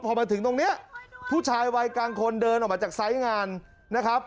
พอมาถึงตรงนี้ผู้ชายวัยกลางคนเดินออกมาจากไซส์งานนะครับ